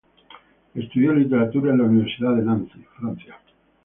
Estudió Literatura en la Universidad de Nancy, Francia.